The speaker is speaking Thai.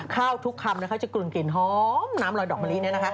ข้าวทุกคำนะฮะจะกลุ่นกลิ่นหอมน้ำรอยดอกมะลิเนี่ยนะฮะ